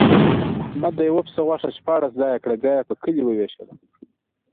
احمد د یوه پسه غوښه شپاړس ځایه کړه، بیا یې په کلي ووېشله.